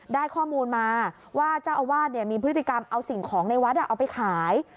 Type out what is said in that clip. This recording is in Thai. ได้ข้อมูลมาว่าเจ้าอาวาสมีพฤติกรรมเอาสิ่งของในวัดเอาไปขาย